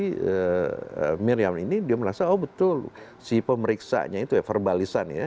si miriam ini dia merasa oh betul si pemeriksanya itu ya verbalisan ya